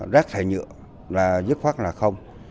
rác thải nhựa là dứt khoát là không